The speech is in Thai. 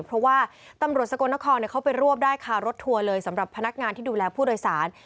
เพราะว่าตำรวจสกลนครเขาไปรวบได้ค่ะรถทัวร์เลยสำหรับพนักงานที่ดูแลผู้โดยสาร